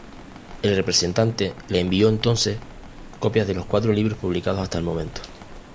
El representante le envió entonces copias de los cuatro libros publicados hasta ese momento.